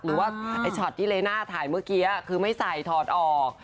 หรือว่าไอ้ช็อตที่เลน่าถ่ายเมื่อกี้คือไม่ใส่ถอดออก